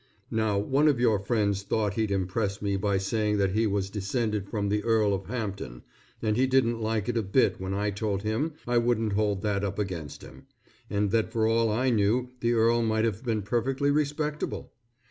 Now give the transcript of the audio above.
Now one of your friends thought he'd impress me by saying that he was descended from the Earl of Hampton, and he didn't like it a bit when I told him I wouldn't hold that up against him, and that for all I knew the Earl might have been perfectly respectable.